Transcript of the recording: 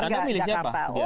anda milih siapa